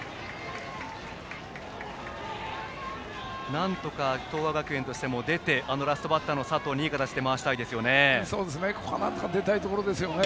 なんとか、東亜学園としても出てラストバッターの佐藤にいい形で回したいですね。